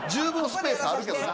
スペースあるけどな。